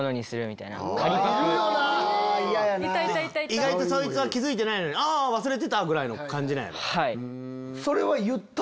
意外とそいつは気付いてない忘れてた！ぐらいの感じなんやろ。